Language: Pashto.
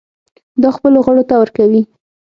دا خپلو غړو ته ورکوي.